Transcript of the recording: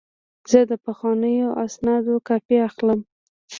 زه د پخوانیو اسنادو کاپي اخلم.